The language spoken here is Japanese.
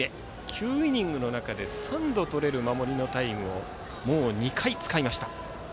９イニングの中で３度とれる守りのタイムをもう２回使いました。